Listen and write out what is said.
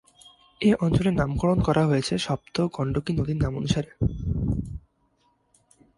এ অঞ্চলের নামকরণ করা হয়েছে সপ্ত গণ্ডকী নদীর নামানুসারে।